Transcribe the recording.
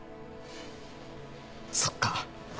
そっか